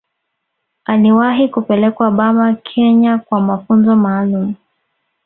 Aliwahi kupelekwa Burma Kenya kwa mafunzo maalumu